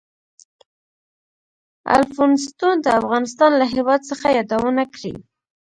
الفونستون د افغانستان له هېواد څخه یادونه کړې.